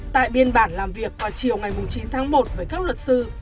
tại biên bản làm việc vào chiều ngày chín tháng một với các luật sư